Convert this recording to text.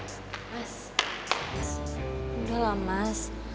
udah lah mas